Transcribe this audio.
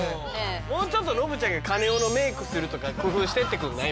もうちょっとノブちゃんがカネオのメイクするとか工夫してってくんない？